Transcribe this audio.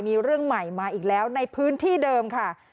มีเรื่องใหม่มาอีกแล้วในพื้นที่เดิมค่ะ